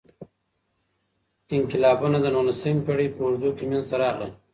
انقلابونه د نولسمې پیړۍ په اوږدو کي منځته راغلل.